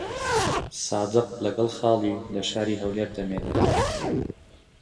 سادق لەگەڵ خاڵی لە شاری هەولێر دەمێنێتەوە.